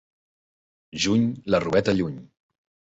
Juny, la robeta lluny.